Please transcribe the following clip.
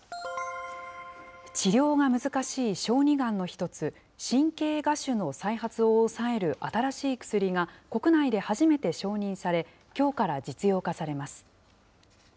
治療が難しい小児がんの一つ、神経芽腫の再発を抑える新しい薬が国内で初めて承認され、きょうから実用化されます。